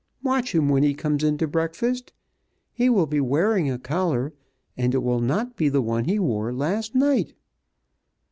Watch him when he comes in to breakfast. He will be wearing a collar, and it will not be the one he wore last night."